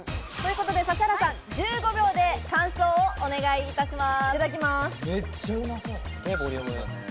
指原さん、１５秒で感想をお願いします。